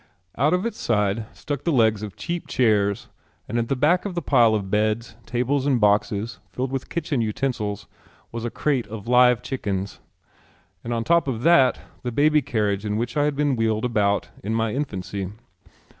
Out of its sides stuck the legs of cheap chairs and at the back of the pile of beds, tables, and boxes filled with kitchen utensils was a crate of live chickens, and on top of that the baby carriage in which I had been wheeled about in my infancy.